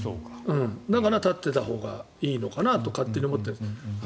だから立っていたほうがいいのかなと勝手に思ってます。